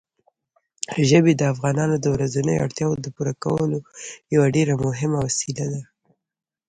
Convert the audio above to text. ژبې د افغانانو د ورځنیو اړتیاوو د پوره کولو یوه ډېره مهمه وسیله ده.